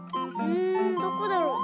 うんどこだろう？